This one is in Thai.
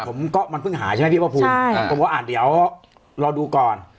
อ่ะผมก็มันเพิ่งหายใช่ไหมพี่พ่อภูมิใช่ผมก็อ่ะเดี๋ยวรอดูก่อน